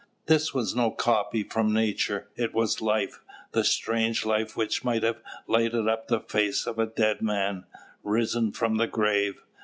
This was no copy from Nature; it was life, the strange life which might have lighted up the face of a dead man, risen from the grave.